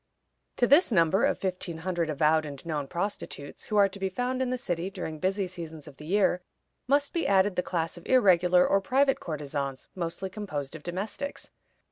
To this number of fifteen hundred avowed and known prostitutes, who are to be found in the city during busy seasons of the year, must be added the class of irregular or private courtesans, mostly composed of domestics.